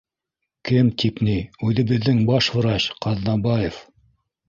— Кем тип ни, үҙебеҙҙең баш врач Ҡаҙнабаев